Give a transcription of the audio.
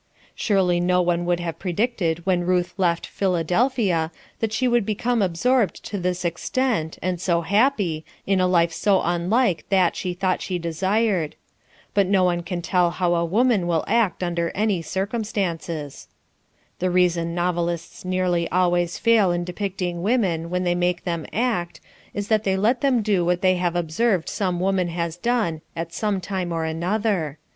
Surely no one would have predicted when Ruth left Philadelphia that she would become absorbed to this extent, and so happy, in a life so unlike that she thought she desired. But no one can tell how a woman will act under any circumstances. The reason novelists nearly always fail in depicting women when they make them act, is that they let them do what they have observed some woman has done at sometime or another.